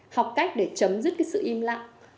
học cách để chấm dứt cái sự im lặng